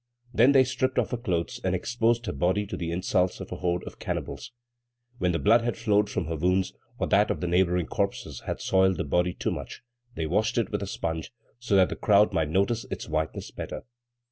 Then they stripped off her clothes and exposed her body to the insults of a horde of cannibals. When the blood that flowed from her wounds, or that of the neighboring corpses, had soiled the body too much, they washed it with a sponge, so that the crowd might notice its whiteness better.